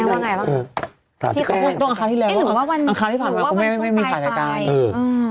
อันคารที่ผ่านมานี่เองไม่กี่วันนี่เอง